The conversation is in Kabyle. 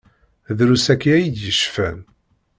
Drus akya i d-yecfan.